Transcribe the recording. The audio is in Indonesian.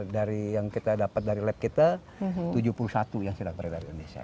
dari yang kita dapat dari lab kita tujuh puluh satu yang sudah berada di indonesia